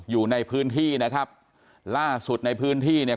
อยู่ในพื้นที่นะครับล่าสุดในพื้นที่เนี่ย